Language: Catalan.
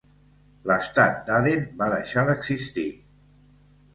L'estat d'Aden va deixar d'existir.